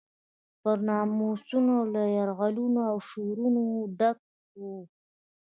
پر ناموسونو له یرغلونو او شورونو ډک و.